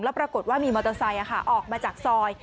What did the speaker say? ปรากฏว่ามีมอเตอร์ไซค์ออกมาจากซอย